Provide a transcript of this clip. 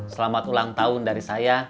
selamat ulang tahun dari saya